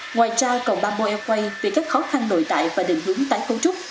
ngoài ra còn ba mô airway vì các khó khăn nội tại và định hướng tái cấu trúc